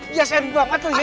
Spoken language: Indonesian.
biasa banget tuh ya